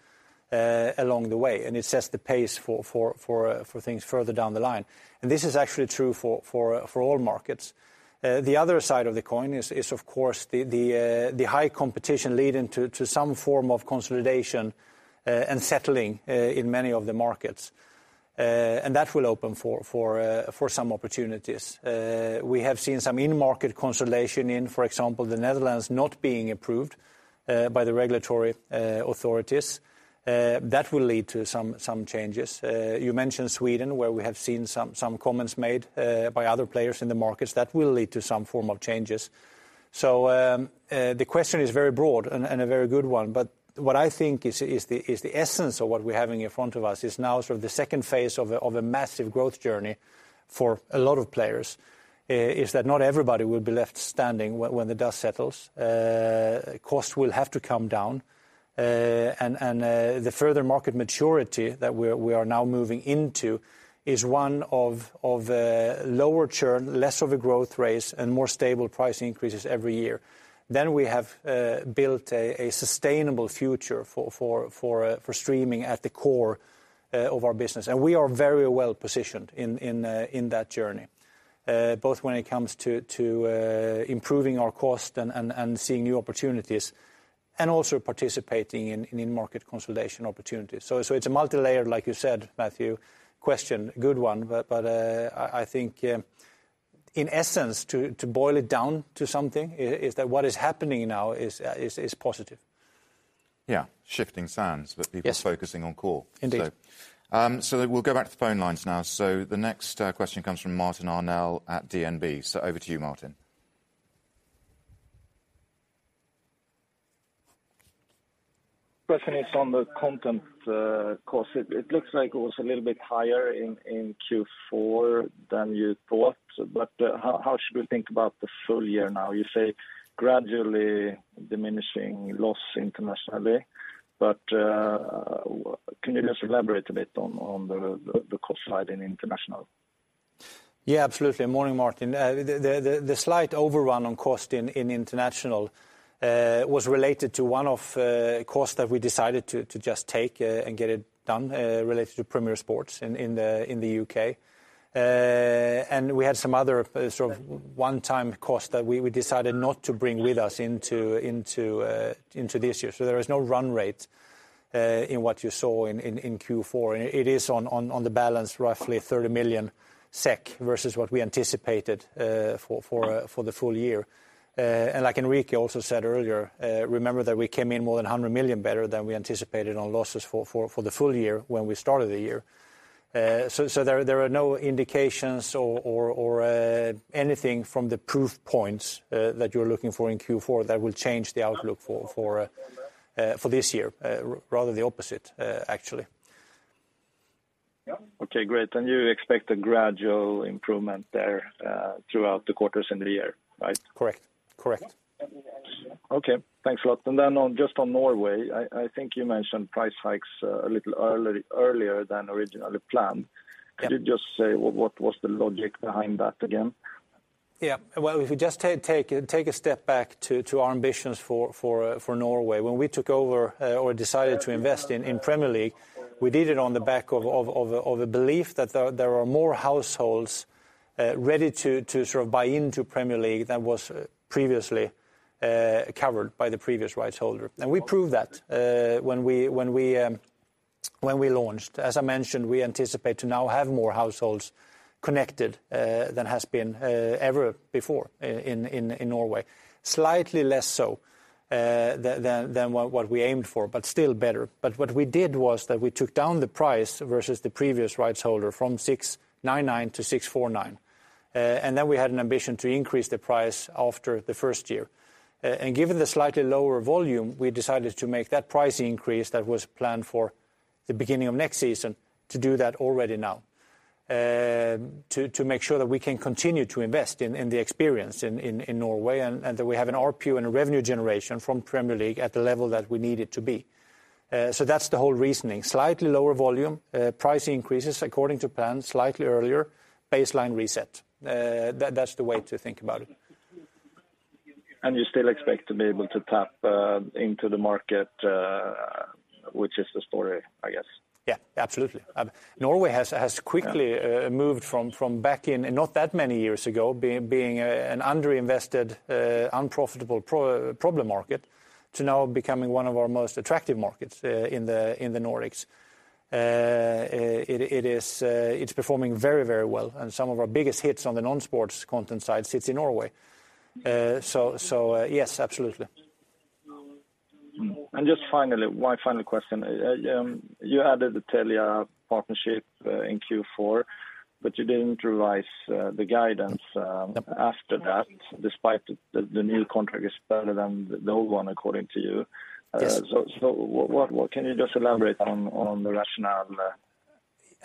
along the way, and it sets the pace for things further down the line. This is actually true for all markets. The other side of the coin is of course the high competition leading to some form of consolidation and settling in many of the markets. That will open for some opportunities. We have seen some in-market consolidation in for example, the Netherlands not being approved by the regulatory authorities. That will lead to some changes. You mentioned Sweden, where we have seen some comments made by other players in the markets. That will lead to some form of changes. The question is very broad and a very good one, but what I think is the essence of what we're having in front of us is now sort of the second phase of a massive growth journey for a lot of players, is that not everybody will be left standing when the dust settles. Costs will have to come down. The further market maturity that we are now moving into is one of lower churn, less of a growth race, and more stable price increases every year. We have built a sustainable future for streaming at the core of our business. We are very well-positioned in that journey, both when it comes to improving our cost and seeing new opportunities, and also participating in market consolidation opportunities. It's a multilayered, like you said, Matthew, question. Good one. I think, in essence to boil it down to something is that what is happening now is positive. Yeah. Shifting sands- Yes. People focusing on core. Indeed. We'll go back to the phone lines now. The next question comes from Martin Arnell at DNB. Over to you, Martin. Question is on the content, cost. It looks like it was a little bit higher in Q4 than you thought. How should we think about the full year now? You say gradually diminishing loss internationally. Can you just elaborate a bit on the cost side in international? Yeah, absolutely. Morning, Martin. The slight overrun on cost in international was related to one of costs that we decided to just take and get it done, related to Premier Sports in the U.K. We had some other sort of one-time costs that we decided not to bring with us into this year. There is no run rate in what you saw in Q4. It is on the balance roughly 30 million SEK vs what we anticipated for the full year. Like Enrique also said earlier, remember that we came in more than 100 million better than we anticipated on losses for the full year when we started the year. There are no indications or anything from the proof points that you're looking for in Q4 that will change the outlook for this year. Rather the opposite, actually. Yeah. Okay, great. You expect a gradual improvement there, throughout the quarters in the year, right? Correct. Correct. Okay. Thanks a lot. Just on Norway, I think you mentioned price hikes a little early, earlier than originally planned. Yeah. Could you just say what was the logic behind that again? Well, if you just take a step back to our ambitions for Norway. When we took over or decided to invest in Premier League, we did it on the back of a belief that there are more households ready to sort of buy into Premier League than was previously covered by the previous rights holder. We proved that when we launched. As I mentioned, we anticipate to now have more households connected than has been ever before in Norway. Slightly less so than what we aimed for, but still better. What we did was that we took down the price vs the previous rights holder from 699 to 649. We had an ambition to increase the price after the first year. Given the slightly lower volume, we decided to make that price increase that was planned for the beginning of next season to do that already now, to make sure that we can continue to invest in the experience in Norway, and that we have an RPU and a revenue generation from Premier League at the level that we need it to be. That's the whole reasoning. Slightly lower volume. Price increases according to plan, slightly earlier. Baseline reset. That's the way to think about it. You still expect to be able to tap into the market, which is the story, I guess. Absolutely. Norway has quickly moved from back in, not that many years ago, being an underinvested, unprofitable problem market to now becoming one of our most attractive markets in the Nordics. It is performing very, very well, and some of our biggest hits on the non-sports content side sits in Norway. Yes, absolutely. Just finally, one final question. You added the Telia partnership in Q4, but you didn't revise the guidance after that despite the new contract is better than the old one according to you. Yes. What, can you just elaborate on the rationale there?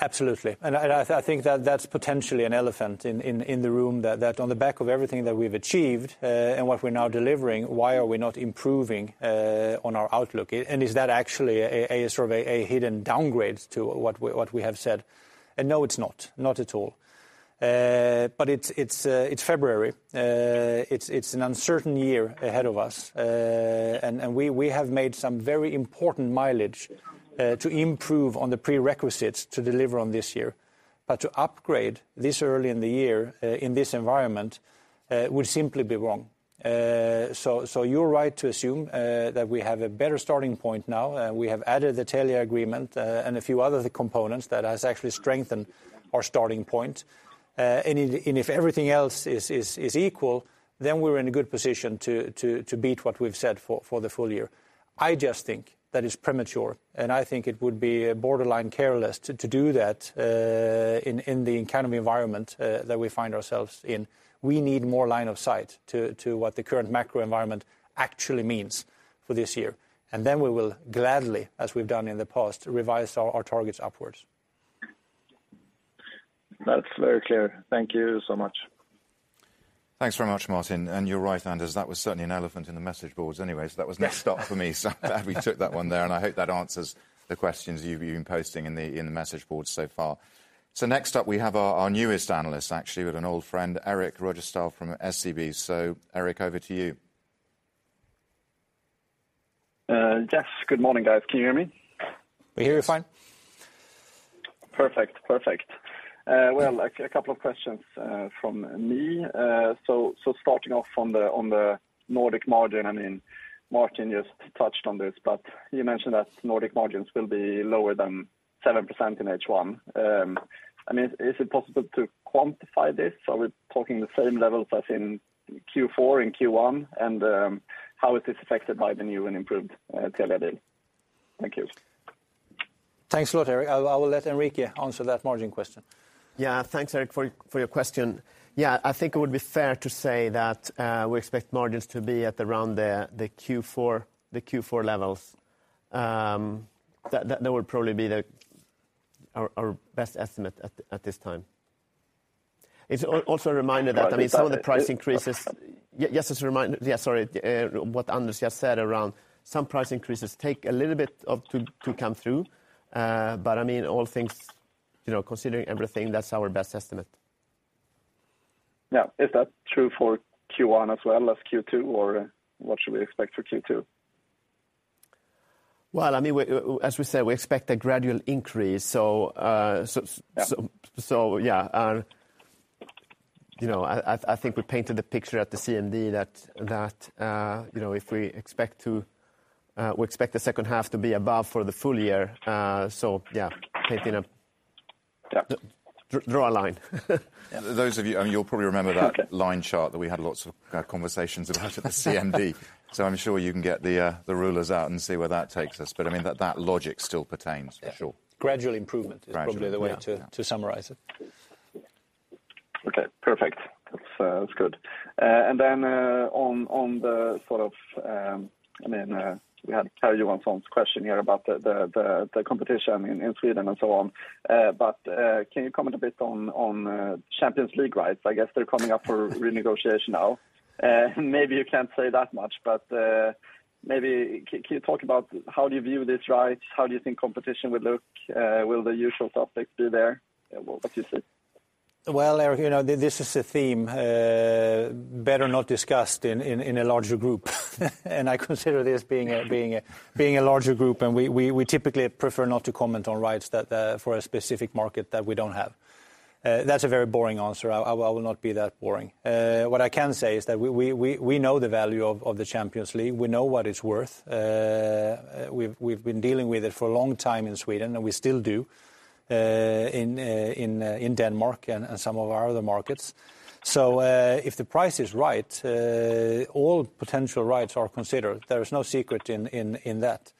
Absolutely. I think that that's potentially an elephant in the room that on the back of everything that we've achieved and what we're now delivering, why are we not improving on our outlook? And is that actually a sort of a hidden downgrade to what we, what we have said? No it's not at all. But it's February. It's an uncertain year ahead of us. And we have made some very important mileage to improve on the prerequisites to deliver on this year. To upgrade this early in the year, in this environment would simply be wrong. So you're right to assume that we have a better starting point now. We have added the Telia agreement and a few other components that has actually strengthened our starting point. If everything else is equal, then we're in a good position to beat what we've said for the full year. I just think that is premature, and I think it would be borderline careless to do that in the economy environment that we find ourselves in. We need more line of sight to what the current macro environment actually means for this year. Then we will gladly, as we've done in the past, revise our targets upwards. That's very clear. Thank you so much. Thanks very much, Martin. You're right, Anders. That was certainly an elephant in the message boards anyways. That was next up for me. Glad we took that one there, and I hope that answers the questions you've been posting in the, in the message boards so far. Next up we have our newest analyst actually with an old friend, Erik Lindholm-Röjestål from SEB. Erik, over to you. Yes. Good morning, guys. Can you hear me? We hear you fine. Perfect. Perfect. Well, a couple of questions from me. Starting off on the Nordic margin, I mean, Martin just touched on this, but you mentioned that Nordic margins will be lower than 7% in H1. I mean, is it possible to quantify this? Are we talking the same levels as in Q4 and Q1, and how is this affected by the new and improved Telia deal? Thank you. Thanks a lot, Erik. I will let Enrique answer that margin question. Thanks, Erik, for your question. I think it would be fair to say that we expect margins to be at around the Q4 levels. That would probably be Our best estimate at this time. It's also a reminder that, I mean, some of the price increases. Sorry. What Anders just said around some price increases take a little bit of to come through. I mean, all things, you know, considering everything, that's our best estimate. Yeah. Is that true for Q1 as well as Q2, or what should we expect for Q2? Well, I mean, we, as we said, we expect a gradual increase. Yeah. Yeah. you know, I think we painted the picture at the CMD that, you know, if we expect to, we expect the second half to be above for the full year. Yeah. Painting Yeah. Draw a line. Those of you, I mean, you'll probably remember that line chart that we had lots of conversations about at the CMD. I'm sure you can get the rulers out and see where that takes us. I mean, that logic still pertains for sure. Yeah. Gradual improvement- Gradual. Yeah, yeah. is probably the way to summarize it. Okay. Perfect. That's good. On the sort of, I mean, we had Pär Johansson's question here about the competition in Sweden and so on. Can you comment a bit on Champions League rights? I guess they're coming up for renegotiation now. Maybe you can't say that much, but can you talk about how do you view these rights? How do you think competition would look? Will the usual suspects be there? What you think? Well, Erik, you know, this is a theme better not discussed in a larger group. I consider this being a larger group, and we typically prefer not to comment on rights that for a specific market that we don't have. That's a very boring answer. I will not be that boring. What I can say is that we know the value of the UEFA Champions League. We know what it's worth. We've been dealing with it for a long time in Sweden, and we still do in Denmark and some of our other markets. If the price is right, all potential rights are considered. There is no secret in that.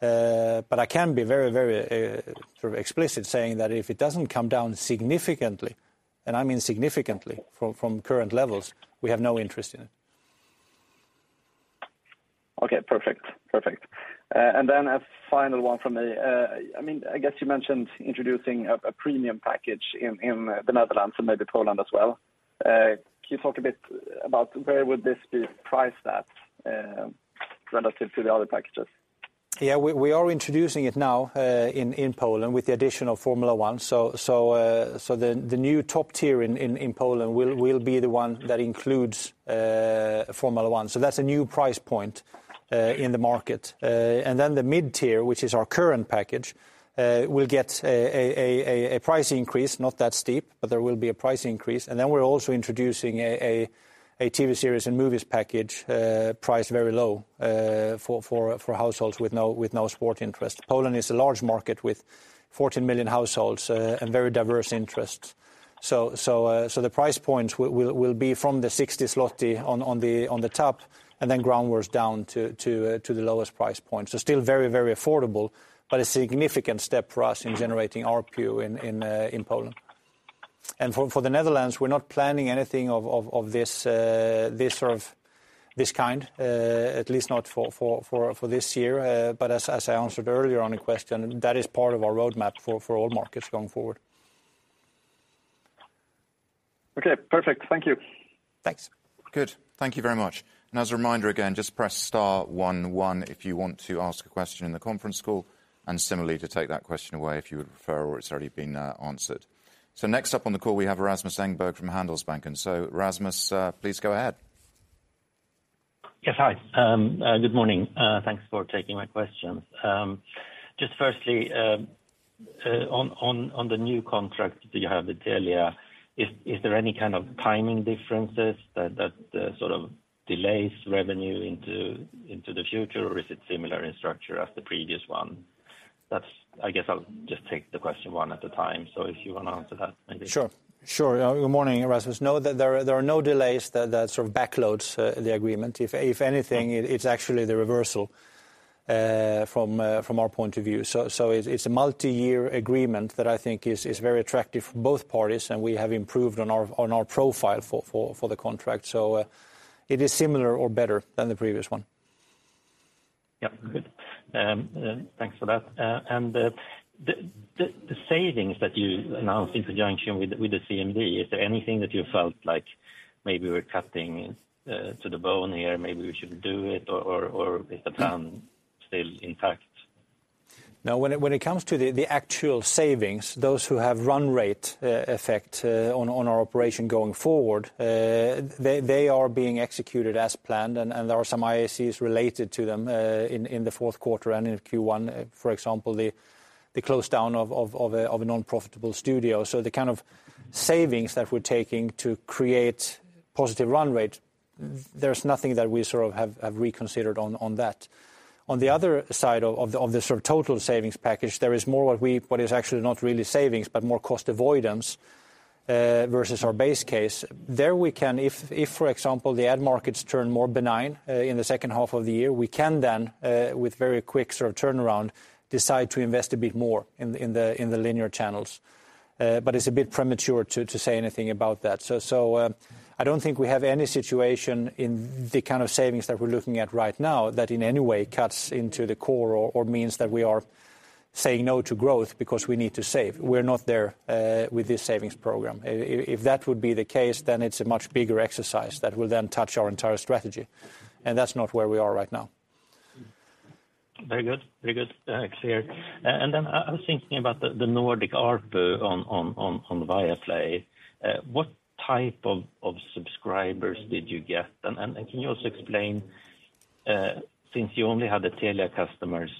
I can be very, sort of explicit saying that if it doesn't come down significantly, and I mean significantly from current levels, we have no interest in it. Okay. Perfect. Perfect. A final one from me. I mean, I guess you mentioned introducing a premium package in the Netherlands and maybe Poland as well. Can you talk a bit about where would this be priced at relative to the other packages? Yeah. We are introducing it now in Poland with the addition of Formula 1. The new top tier in Poland will be the one that includes Formula 1. That's a new price point in the market. The mid-tier, which is our current package, will get a price increase, not that steep, but there will be a price increase. We're also introducing a TV series and movies package, priced very low, for households with no sport interest. Poland is a large market with 14 million households and very diverse interests. The price points will be from the 60 zloty on the top, and then downwards down to the lowest price point. Still very, very affordable, but a significant step for us in generating ARPU in Poland. For the Netherlands, we're not planning anything of this sort of this kind, at least not for this year. As I answered earlier on a question, that is part of our roadmap for all markets going forward. Okay, perfect. Thank you. Thanks. Good. Thank you very much. As a reminder, again, just press star one one if you want to ask a question in the conference call, and similarly to take that question away if you would prefer or it's already been answered. Next up on the call, we have Rasmus Engberg from Handelsbanken. Rasmus, please go ahead. Yes. Hi. good morning. thanks for taking my questions. just firstly, on the new contract that you have with Telia, is there any kind of timing differences that sort of delays revenue into the future, or is it similar in structure as the previous one? I guess I'll just take the question one at a time, so if you wanna answer that maybe. Sure. Sure. Good morning, Rasmus. No. There are no delays that sort of backloads the agreement. If anything, it's actually the reversal from our point of view. It's a multiyear agreement that I think is very attractive for both parties, and we have improved on our profile for the contract. It is similar or better than the previous one. Yeah. Good. Thanks for that. The savings that you announced in conjunction with the CMD, is there anything that you felt like maybe we're cutting to the bone here, maybe we shouldn't do it, or is the plan still intact? No. When it comes to the actual savings, those who have run rate effect on our operation going forward, they are being executed as planned. There are some IACs related to them in the fourth quarter and in Q1, for example, the close down of a non-profitable studio. The kind of savings that we're taking to create positive run rate, there's nothing that we sort of have reconsidered on that. On the other side of the sort of total savings package, there is more what is actually not really savings, but more cost avoidance vs our base case. There we can, if, for example, the ad markets turn more benign, in the second half of the year, we can then, with very quick sort of turnaround, decide to invest a bit more in the, in the linear channels. It's a bit premature to say anything about that. I don't think we have any situation in the kind of savings that we're looking at right now that in any way cuts into the core or means that we are saying no to growth because we need to save. We're not there with this savings program. If that would be the case, then it's a much bigger exercise that will then touch our entire strategy, and that's not where we are right now. Very good. Very good. Klas. Then I was thinking about the Nordic ARPU on Viaplay. What type of subscribers did you get? Can you also explain, since you only had the Telia customers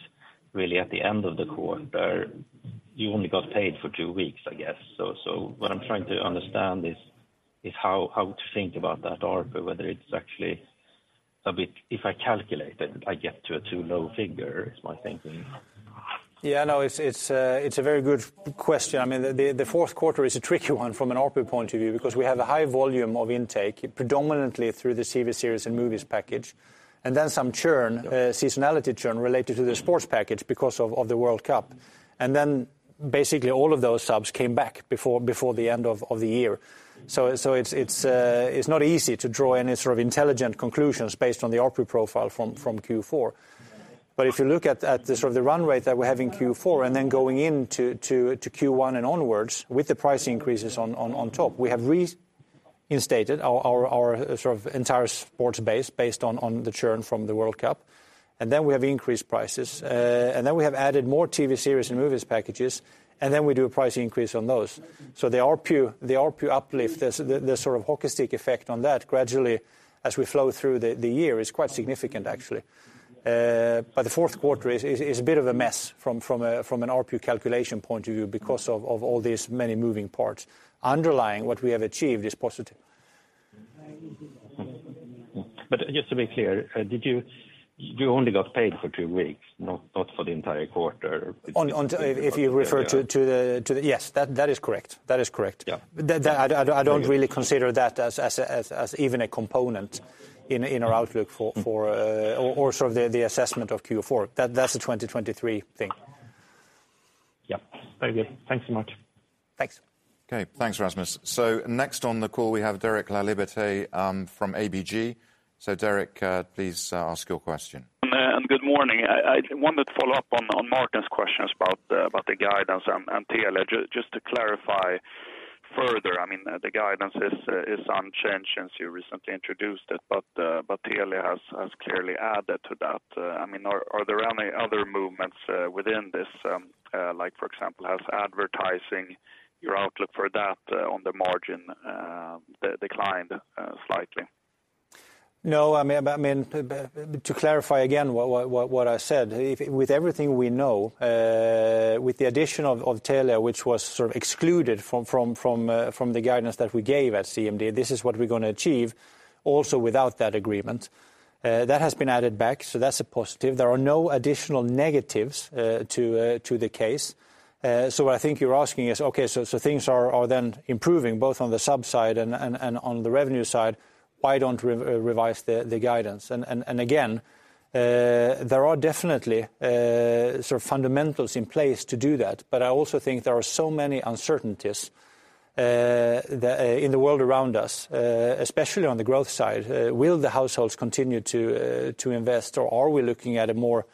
really at the end of the quarter, you only got paid for two weeks, I guess. What I'm trying to understand is how to think about that ARPU, whether it's actually a bit if I calculate it, I get to a too low figure, is my thinking. Yeah. No. It's, it's a, it's a very good question. I mean, the fourth quarter is a tricky one from an ARPU point of view because we have a high volume of intake predominantly through the TV series and movies package, and then some churn, seasonality churn related to the sports package because of the World Cup. Basically all of those subs came back before the end of the year. It's not easy to draw any sort of intelligent conclusions based on the ARPU profile from Q4. If you look at the sort of the run rate that we have in Q4 and then going into Q1 and onwards with the price increases on top, we have reinstated our sort of entire sports base based on the churn from the World Cup. Then we have increased prices. Then we have added more TV series and movies packages, and then we do a price increase on those. The ARPU, the ARPU uplift, the sort of hockey stick effect on that gradually as we flow through the year is quite significant actually. The fourth quarter is a bit of a mess from an ARPU calculation point of view because of all these many moving parts. Underlying what we have achieved is positive. Just to be clear, did you only got paid for two weeks, not for the entire quarter? On If you refer to the Yes. That is correct. That is correct. Yeah. That I don't really consider that as even a component in our outlook for the assessment of Q4. That's a 2023 thing. Yeah. Very good. Thanks so much. Thanks. Okay. Thanks, Rasmus. Next on the call we have Derek Laliberté from ABG. Derek, please ask your question. Good morning. I wanted to follow up on Martin's questions about the guidance and Telia. Just to clarify further, I mean, the guidance is unchanged since you recently introduced it, but Telia has clearly added to that. I mean, are there any other movements within this, like, for example, has advertising your outlook for that on the margin declined slightly? No. I mean, to clarify again what I said, with everything we know, with the addition of Telia, which was sort of excluded from the guidance that we gave at CMD, this is what we're gonna achieve also without that agreement. That has been added back, so that's a positive. There are no additional negatives to the case. What I think you're asking is, okay, so things are then improving both on the sub side and on the revenue side, why don't re-revise the guidance? Again, there are definitely sort of fundamentals in place to do that, but I also think there are so many uncertainties in the world around us, especially on the growth side, will the households continue to invest, or are we looking at a more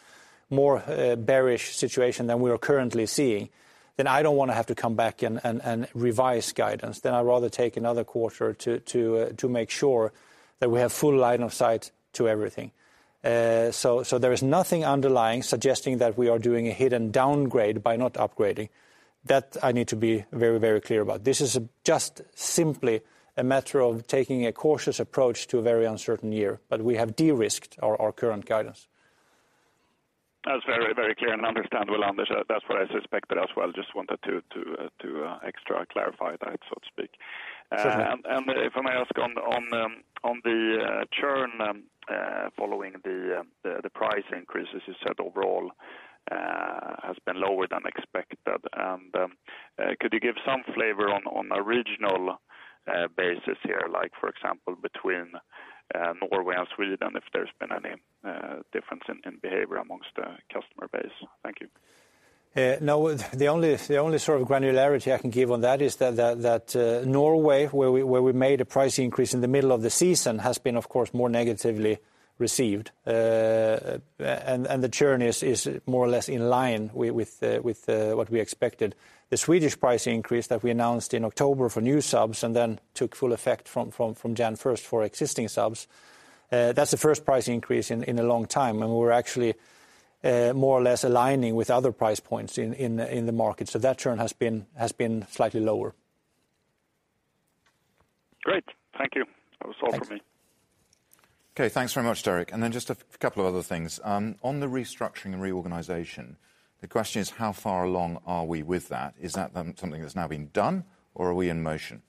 bearish situation than we are currently seeing? I don't wanna have to come back and revise guidance. I rather take another quarter to make sure that we have full line of sight to everything. So there is nothing underlying suggesting that we are doing a hidden downgrade by not upgrading. That I need to be very, very clear about. This is just simply a matter of taking a cautious approach to a very uncertain year, but we have de-risked our current guidance. That's very, very clear and understandable, Anders. That's what I suspected as well. Just wanted to extra clarify that, so to speak. Sure. And if I may ask on the churn, following the price increases you said overall has been lower than expected. Could you give some flavor on original basis here, like for example, between Norway and Sweden, if there's been any difference in behavior amongst the customer base? Thank you. No. The only sort of granularity I can give on that is that Norway, where we made a price increase in the middle of the season has been, of course, more negatively received. The churn is more or less in line with what we expected. The Swedish price increase that we announced in October for new subs and then took full effect from January 1st for existing subs, that's the first price increase in a long time, and we're actually more or less aligning with other price points in the market. That churn has been slightly lower. Great. Thank you. Thanks. That was all for me. Okay. Thanks very much, Derek. Just a couple of other things. On the restructuring and reorganization, the question is how far along are we with that? Is that something that's now been done or are we in motion?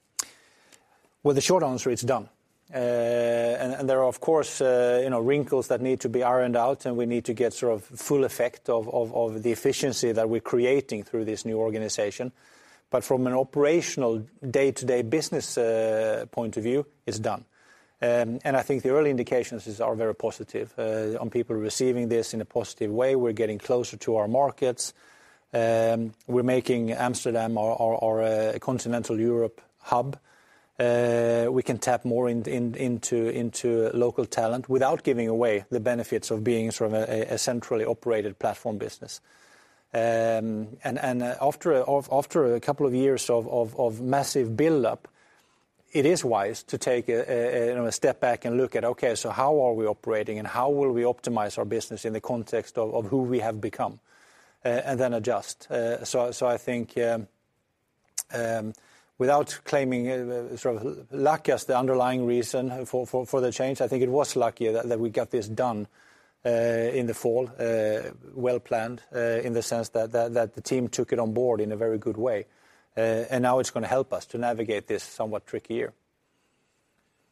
Well, the short answer, it's done. There are of course, you know, wrinkles that need to be ironed out, and we need to get sort of full effect of the efficiency that we're creating through this new organization. From an operational day-to-day business, point of view, it's done. I think the early indications are very positive on people receiving this in a positive way. We're getting closer to our markets. We're making Amsterdam our Continental Europe hub. We can tap more into local talent without giving away the benefits of being sort of a centrally operated platform business. After a couple of years of massive buildup, it is wise to take a, you know, a step back and look at, okay, so how are we operating and how will we optimize our business in the context of who we have become, and then adjust. I think, without claiming sort of luck as the underlying reason for the change, I think it was luckier that we got this done, in the fall, well planned, in the sense that the team took it on board in a very good way. Now it's gonna help us to navigate this somewhat trickier.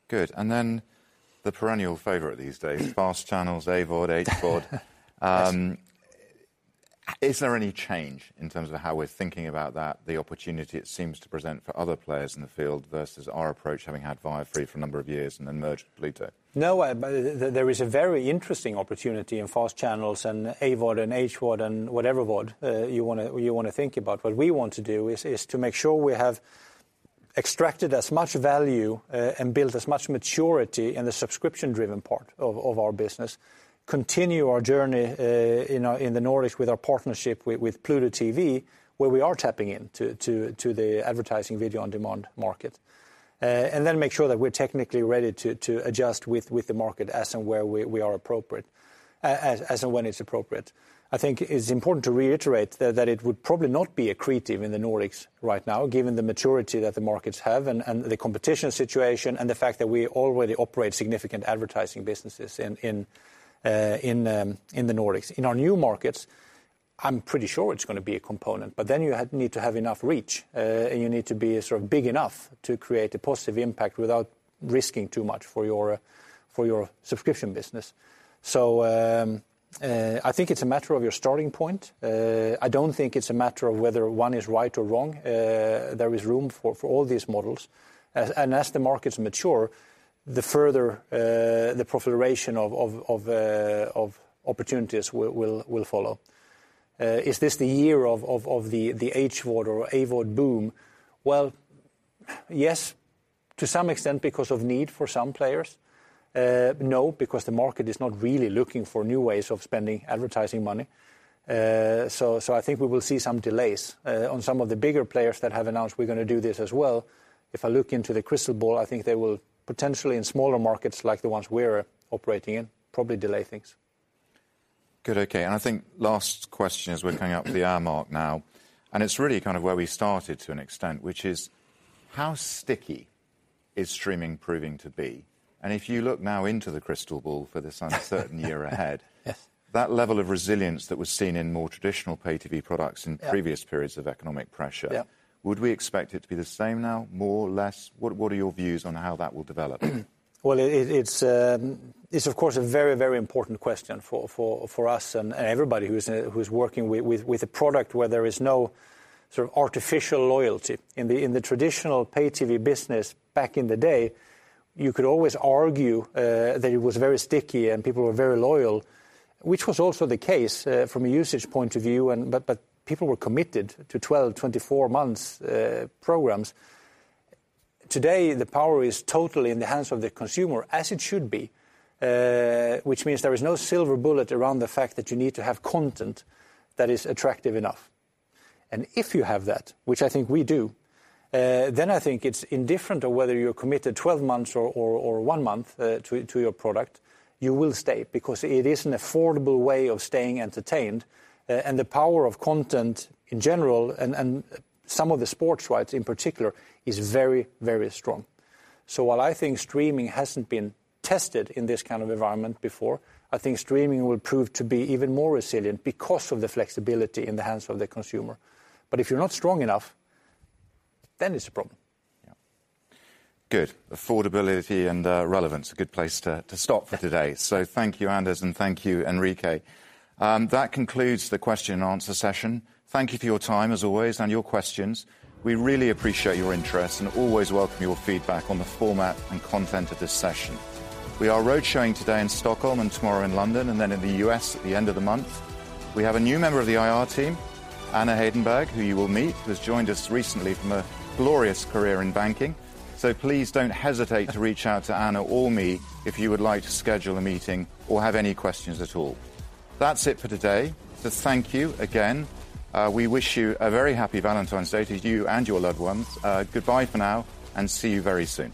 Good. The perennial favorite these days, FAST channels, AVOD, SVOD. Yes. Is there any change in terms of how we're thinking about that, the opportunity it seems to present for other players in the field vs our approach, having had Viaplay for a number of years and then merged with Pluto? No. there is a very interesting opportunity in FAST channels and AVOD and SVOD and whatever VOD, you wanna think about. What we want to do is to make sure we have extracted as much value, and built as much maturity in the subscription-driven part of our business, continue our journey, in the Nordics with our partnership with Pluto TV, where we are tapping in to the advertising video on demand market. Then make sure that we're technically ready to adjust with the market as and where we are appropriate, as and when it's appropriate. I think it's important to reiterate that it would probably not be accretive in the Nordics right now, given the maturity that the markets have and the competition situation and the fact that we already operate significant advertising businesses in the Nordics. In our new markets, I'm pretty sure it's gonna be a component, but then you need to have enough reach. You need to be sort of big enough to create a positive impact without risking too much for your subscription business. I think it's a matter of your starting point. I don't think it's a matter of whether one is right or wrong. There is room for all these models. As the markets mature, the further the proliferation of opportunities will follow. Is this the year of the SVOD or AVOD boom? Well, yes, to some extent because of need for some players. No, because the market is not really looking for new ways of spending advertising money. I think we will see some delays on some of the bigger players that have announced we're gonna do this as well. If I look into the crystal ball, I think they will potentially in smaller markets like the ones we're operating in, probably delay things. Good. Okay. I think last question as we're coming up to the hour mark now, and it's really kind of where we started to an extent, which is how sticky is streaming proving to be? If you look now into the crystal ball for this uncertain year ahead- Yes ...that level of resilience that was seen in more traditional pay-TV products. Yeah in previous periods of economic pressure. Yeah ...would we expect it to be the same now, more, less? What are your views on how that will develop? Well, it's of course a very, very important question for us and everybody who's working with a product where there is no sort of artificial loyalty. In the traditional pay TV business back in the day, you could always argue that it was very sticky and people were very loyal, which was also the case from a usage point of view and people were committed to 12, 24 months programs. Today, the power is totally in the hands of the consumer, as it should be. Which means there is no silver bullet around the fact that you need to have content that is attractive enough. If you have that, which I think we do, then I think it's indifferent on whether you're committed 12 months or one month to your product. You will stay because it is an affordable way of staying entertained, and the power of content in general and some of the sports rights in particular is very, very strong. While I think streaming hasn't been tested in this kind of environment before, I think streaming will prove to be even more resilient because of the flexibility in the hands of the consumer. If you're not strong enough, then it's a problem. Yeah. Good. Affordability and relevance, a good place to stop for today. Thank you, Anders, and thank you, Enrique. That concludes the question and answer session. Thank you for your time as always and your questions. We really appreciate your interest and always welcome your feedback on the format and content of this session. We are road showing today in Stockholm and tomorrow in London, and then in the U.S. at the end of the month. We have a new member of the IR team, Anna Hedenberg, who you will meet, who has joined us recently from a glorious career in banking. Please don't hesitate to reach out to Anna or me if you would like to schedule a meeting or have any questions at all. That's it for today. Thank you again. We wish you a very happy Valentine's Day to you and your loved ones. Goodbye for now and see you very soon.